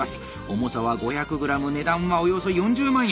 重さは５００グラム値段はおよそ４０万円！